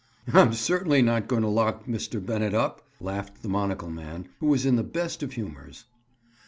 "I am certainly not going to lock Mr. Bennett up," laughed the monocle man who was in the best of humors.